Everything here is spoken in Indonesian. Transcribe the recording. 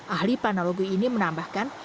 ahli analogi ini menambahkan